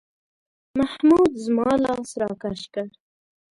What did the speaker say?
محمود زما لاس راکش کړ.